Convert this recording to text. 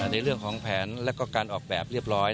ในเรื่องของแผนและการออกแบบเรียบร้อย